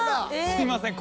すいません。